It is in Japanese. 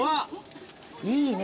いいね。